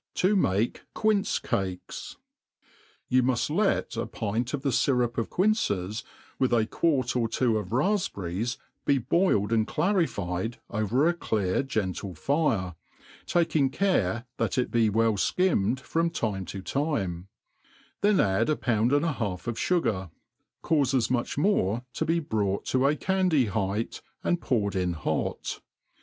79 mah ^inci Caiis. YOtJ muft let a pint of the fyrup of quinces, with a quart of two of rtifpberries, be boiled and clarified over a clear genib fire, taking care that it be well flcimmed from time to time; then add a pound and a half of fugar, caufe as siuch more to be brought to a candy height, and poured in hot.